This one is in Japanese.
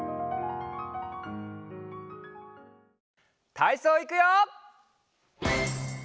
たいそういくよ！